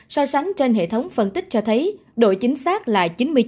so sánh trên hệ thống phân tích cho thấy độ chính xác là chín mươi chín chín mươi chín